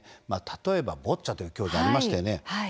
ボッチャという競技がありましたよね。